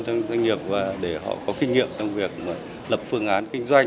doanh nghiệp để họ có kinh nghiệm trong việc lập phương án kinh doanh